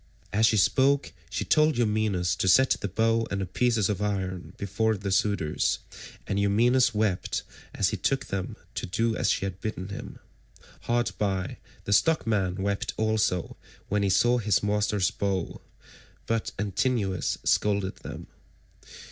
As she spoke, she told Eumaeus to set the bow and the pieces of iron before the suitors, and Eumaeus wept as he took them to do as she had bidden him. Hard by, the stockman wept also when he saw his master's bow, but Antinous scolded them.